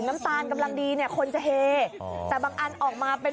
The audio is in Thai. มันไหม้